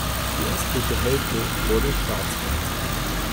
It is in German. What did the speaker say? Die östliche Hälfte wurde Staatsforst.